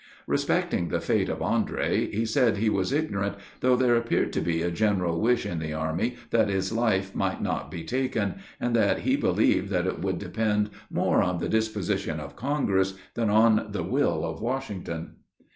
Respecting the fate of Andre, he said he was ignorant, though there appeared to be a general wish in the army that his life might not be taken; and that he believed that it would depend more on the disposition of Congress, than on the will of Washington.